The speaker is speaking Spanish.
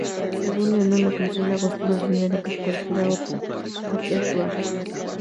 Según Lennon la canción gastó más dinero que cualquier otra en "Abbey Road".